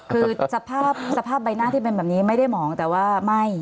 คือสภาพสภาพใบหน้าที่เป็นแบบนี้ไม่ได้หมองแต่ว่าไม่